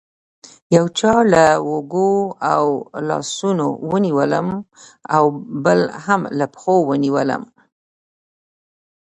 یو چا له اوږو او لاسونو ونیولم او بل هم له پښو ونیولم.